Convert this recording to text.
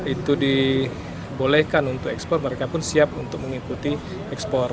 itu dibolehkan untuk ekspor mereka pun siap untuk mengikuti ekspor